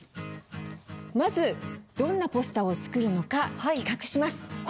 まずどんなポスターを作るのか企画します。